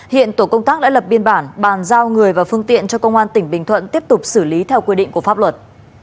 hiện tổ công tác đã lập biên bản bàn giao người và phương tiện cho công an tỉnh bình thuận tiếp tục xử lý theo quy định của pháp luật